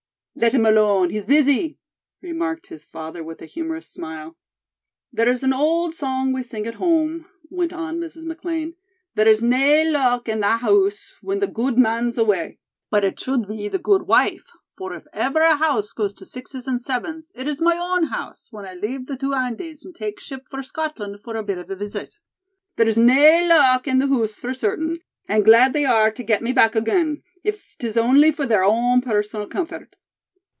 "Let him alone, he's busy," remarked his father with a humorous smile. "There's an old song we sing at home," went on Mrs. McLean, "'there's nae luck in tha' hoose when the gude man's awa',' but it should be the gude wife, for if ever a house goes to sixes and sevens it is my own house when I leave the two Andys and take ship for Scotland for a bit of a visit. There's nae luck in the hoose for certain, and glad they are to get me back again, if 'tis only for their own personal comfort."